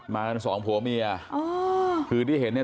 กันสองผัวเมียอ๋อคือที่เห็นเนี่ย